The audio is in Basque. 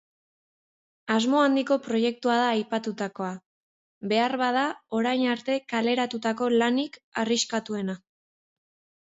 Asmo handiko proiektua da aipatutakoa, beharbada orain arte kaleratutako lanik arriskatuena.